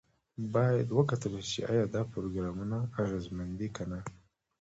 باید وکتل شي چې ایا دا پروګرامونه اغیزمن دي که نه.